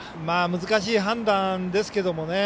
難しい判断ですけどもね。